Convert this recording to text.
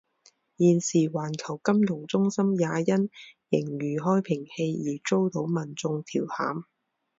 现时环球金融中心也因形如开瓶器而遭到民众调侃。